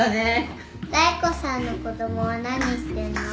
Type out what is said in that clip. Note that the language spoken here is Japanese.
妙子さんの子供は何してんの？